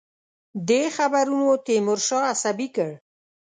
دې خبرونو تیمورشاه عصبي کړ.